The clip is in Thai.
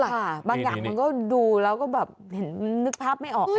บางอย่างมันก็ดูแล้วก็แบบเห็นนึกภาพไม่ออก